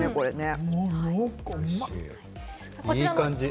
いい感じ！